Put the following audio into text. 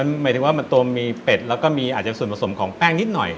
หมายถึงว่ามันตัวมีเป็ดแล้วก็มีอาจจะส่วนผสมของแป้งนิดหน่อย